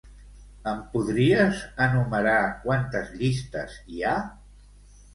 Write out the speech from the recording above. Em podries enumerar quantes llistes hi ha?